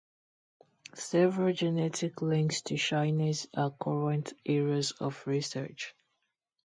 Several genetic links to shyness are current areas of research.